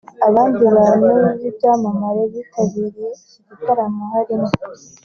Abandi bantu b'ibyamamare bitabiriye iki gitaramo harimo